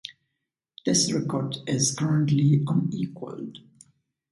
This record is currently unequaled.